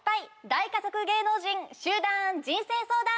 大家族芸能人集団人生相談！